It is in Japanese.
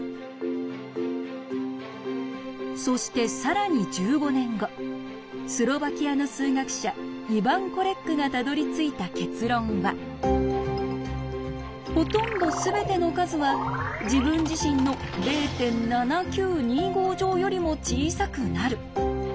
そして更に１５年後スロバキアの数学者イバン・コレックがたどりついた結論は「ほとんどすべての数は自分自身の０．７９２５乗よりも小さくなる」。